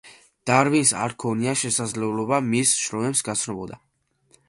დარვინს არ ჰქონია შესაძლებლობა მის შრომებს გასცნობოდა.